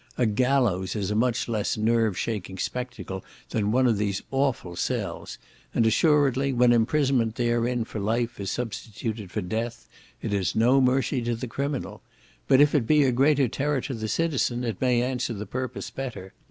A gallows is a much less nerve shaking spectacle than one of these awful cells, and assuredly, when imprisonment therein for life is substituted for death, it is no mercy to the criminal; but if it be a greater terror to the citizen, it may answer the purpose better.